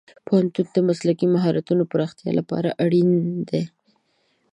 پوهنتون د مسلکي مهارتونو پراختیا لپاره اړین دی.